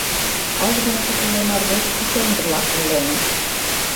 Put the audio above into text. Ажгыныше тулемардеж пушеҥге-влакым лоҥын.